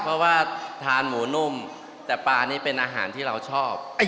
เพราะว่าทานหมูนุ่มแต่ปลานี่เป็นอาหารที่เราชอบ